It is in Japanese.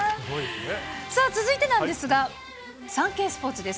さあ、続いてなんですが、サンケイスポーツです。